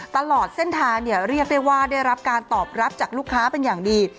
ตลอดเส้นทางเรียกได้ว่าได้รับการตอบรับจากลูกค้าเป็นอย่างดี